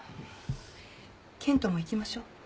健人も行きましょう。